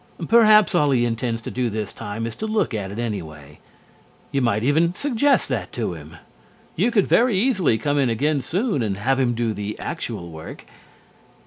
Perhaps all he intends to do this time is to look at it anyway. You might even suggest that to him. You could very easily come in again soon and have him do the actual work.